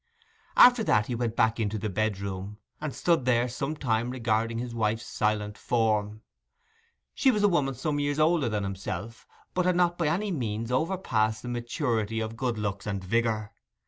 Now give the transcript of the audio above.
After that he went back to the bedroom, and stood there some time regarding his wife's silent form. She was a woman some years older than himself, but had not by any means overpassed the maturity of good looks and vigour.